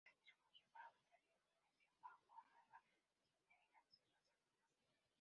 Se distribuye por Australia, Indonesia, Papúa Nueva Guinea y las Islas Salomón.